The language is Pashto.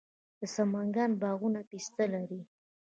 د سمنګان باغونه پسته لري.